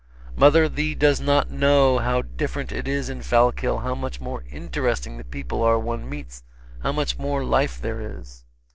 "Mother, thee does not know how different it is in Fallkill, how much more interesting the people are one meets, how much more life there is."